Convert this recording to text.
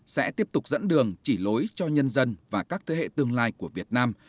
sẽ tiếp tục dẫn đường chỉ lối cho nhân dân và các thế hệ tương lai của việt nam